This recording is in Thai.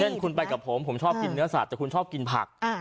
เช่นคุณไปกับผมผมชอบกินเนื้อสัตว์แต่คุณชอบกินผัก